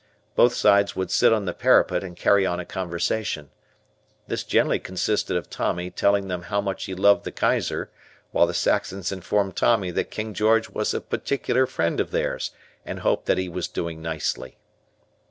Both sides would sit on the parapet and carry on a conversation. This generally consisted of Tommy telling them how much he loved the Kaiser while the Saxons informed Tommy that King George was a particular friend of theirs and hoped that he was doing nicely.